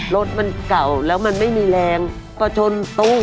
รถมันเก่าแล้วมันไม่มีแรงก็ชนตู้